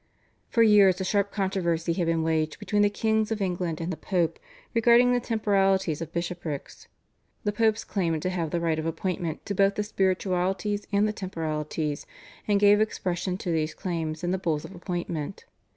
For years a sharp controversy had been waged between the Kings of England and the Pope regarding the temporalities of bishoprics. The Popes claimed to have the right of appointment to both the spiritualities and the temporalities, and gave expression to these claims in the Bulls of appointment.